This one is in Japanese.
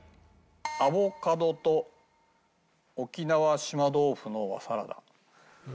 アボカドと沖縄島豆腐の和さらだ。